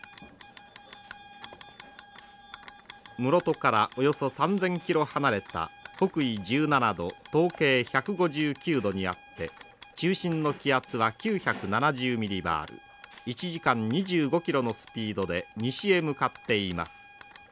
室戸からおよそ３，０００キロ離れた北緯１７度東経１５９度にあって中心の気圧は９７０ミリバール１時間２５キロのスピードで西へ向かっています。